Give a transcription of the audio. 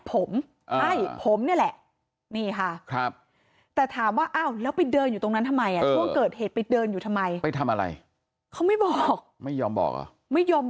ผมคือคนในภาพจากกล้องวงจรปิดจริง